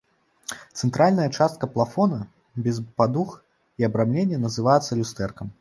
Цэнтральная частка плафона без падуг і абрамлення называецца люстэркам.